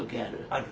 ある？